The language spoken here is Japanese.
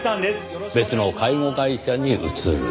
別の介護会社に移る。